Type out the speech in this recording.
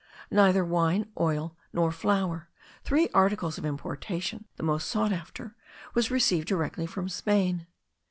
Neither wine, oil, nor flour, three articles of importation the most sought after, was received directly from Spain.